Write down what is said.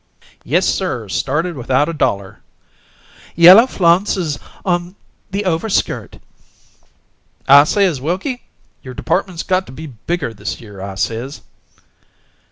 "Yes, sir! Started without a dollar."... "Yellow flounces on the overskirt "... "I says, 'Wilkie, your department's got to go bigger this year,' I says."...